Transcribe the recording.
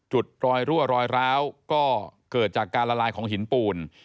รอยรั่วรอยร้าวก็เกิดจากการละลายของหินปูน